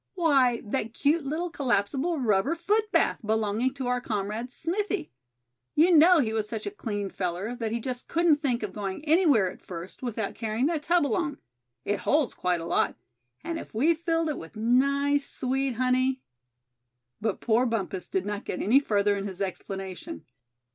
"Why, that cute little collapsible rubber foot bath belonging to our comrade, Smithy. You know he was such a clean feller, that he just couldn't think of going anywhere at first, without carrying that tub along. It holds quite a lot; and if we filled it with nice sweet honey——" But poor Bumpus did not get any further in his explanation.